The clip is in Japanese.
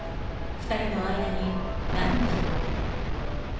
２人の間に何が。